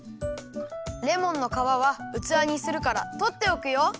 レモンのかわはうつわにするからとっておくよ。